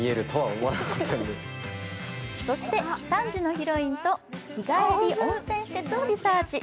３時のヒロインと日帰り温泉施設をリサーチ。